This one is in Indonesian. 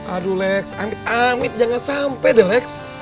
aduh lex amit amit jangan sampai deh lex